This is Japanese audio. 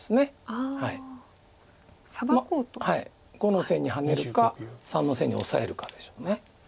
５の線にハネるか３の線にオサえるかでしょう。